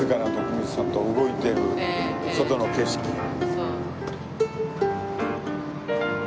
そう。